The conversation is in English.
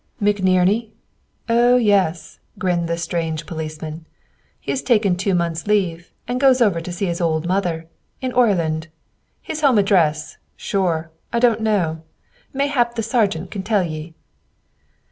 "McNerney? Oh, yes," grinned the strange policeman. "He has taken two months' leave and goes over to see his ould mother, in Oireland. His home address, sure, I don't know. Mayhap the sergeant can tell ye."